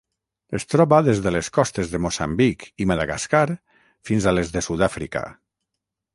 Es troba des de les costes de Moçambic i Madagascar fins a les de Sud-àfrica.